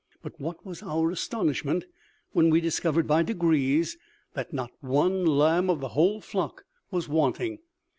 But what was our astonishment, when we discovered by degrees that not one lamb of the whole flock was wanting!